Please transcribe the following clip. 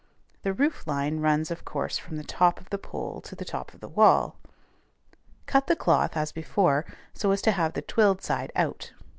The roof line runs of course from the top of the pole to the top of the wall. Cut the cloth, as before, so as to have the twilled side out.